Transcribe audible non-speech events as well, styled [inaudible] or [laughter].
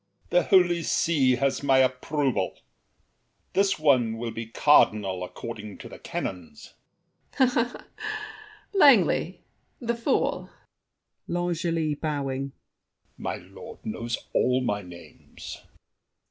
The Holy See has my approval. This one will be a cardinal according To the canons. ABBÉ DE GONDI. [laughs] L'Angely—the fool! L'ANGELY (bowing). My lord knows all my names.